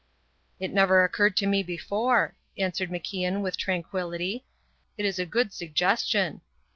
"It never occurred to me before," answered MacIan with tranquillity. "It is a good suggestion."